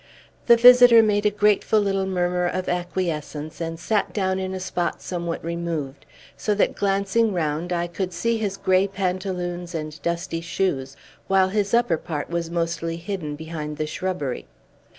The visitor made a grateful little murmur of acquiescence, and sat down in a spot somewhat removed; so that, glancing round, I could see his gray pantaloons and dusty shoes, while his upper part was mostly hidden behind the shrubbery.